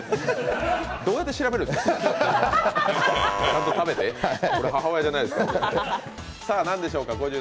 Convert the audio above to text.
どうやって調べるんですか？